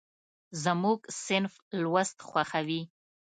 زموږ صنف لوست خوښوي.